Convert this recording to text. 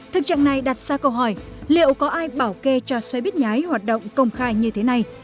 thực trạng này đặt ra câu hỏi liệu có ai bảo kê cho xe buýt nhái hoạt động công khai như thế này